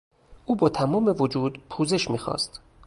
او با تمام وجود پوزش میخواست.